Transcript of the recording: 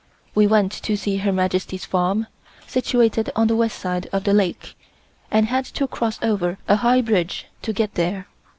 We went to see Her Majesty's farm, situated on the west side of the lake, and had to cross over a high bridge to get there.